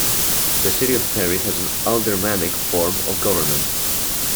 The city of Perry has an aldermanic form of government.